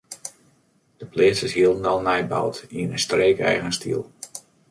De pleats is hielendal nij boud yn in streekeigen styl.